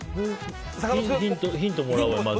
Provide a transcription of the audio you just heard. ヒントもらおうか、まず。